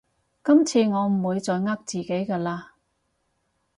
今次我唔會再呃自己㗎喇